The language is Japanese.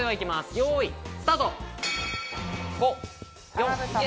よい、スタート！